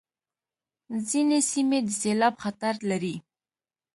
ځینې سیمې د سېلاب خطر لري.